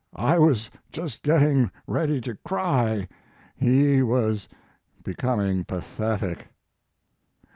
I was just getting ready to cry; he was becom ing pathetic.